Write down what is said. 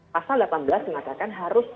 pasal delapan belas mengatakan harus